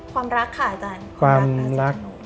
ความรักค่ะอาจารย์ความรักหนู